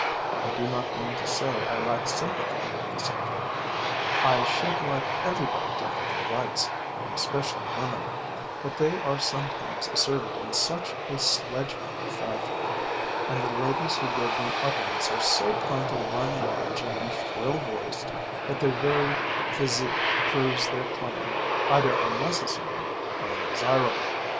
I do not mean to say I lack sympathy with the subject I should like everybody to have their rights, and especially women but they are sometimes asserted in such a sledge hammer fashion, and the ladies who give them utterance are so prone to run large and be shrill voiced that their very physique proves their claim either unnecessary or undesirable.